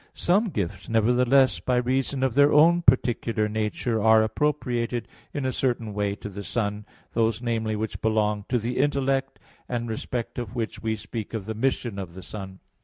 1), some gifts nevertheless, by reason of their own particular nature, are appropriated in a certain way to the Son, those, namely, which belong to the intellect, and in respect of which we speak of the mission of the Son.